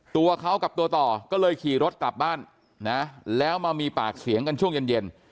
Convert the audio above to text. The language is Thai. ตัวเขากับตัวต่อก็เลยขี่รถกลับบ้านนะแล้วมามีปากเสียงกันช่วงเย็น